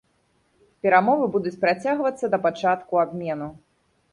Перамовы будуць працягвацца да пачатку абмену.